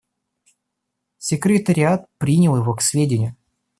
Секретариат принял его к сведению.